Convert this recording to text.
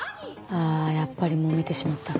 ああやっぱり揉めてしまったか。